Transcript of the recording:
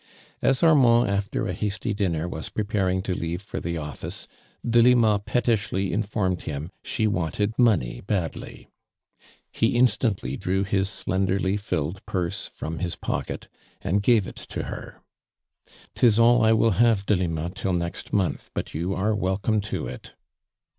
As Armand after a hasty dinner was pre paring to leave for the office, Delima pet tishly informed him she wanted money badly. He instantly drew his slenderly filled purse from his pocket and gave it to her. •' 'Tis all 1 will have, Delima, till next month, but you are welcome to it."